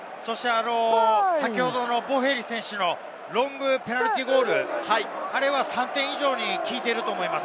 先ほどのボフェリ選手のロングペナルティーゴール、あれは３点以上に効いていると思います。